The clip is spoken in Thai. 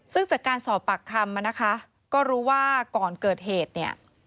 ซึ่งจากการสอบปากคำมานะคะก็รู้ว่าก่อนเกิดเหตุเนี่ย